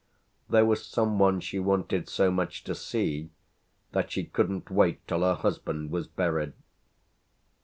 There was some one she wanted so much to see that she couldn't wait till her husband was buried.